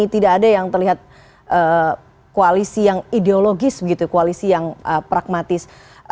tidak ada yang terlihat koalisi yang ideologis begitu koalisi yang pragmatis